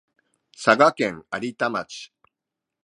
佐賀県有田町